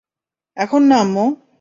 এখন না আম্মু!